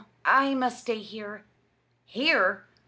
I must stay here." "Here!